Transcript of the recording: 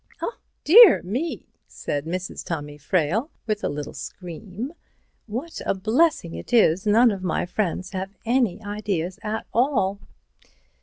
"Dear me!" said Mrs. Tommy Frayle, with a little scream, "what a blessing it is none of my friends have any ideas at all!"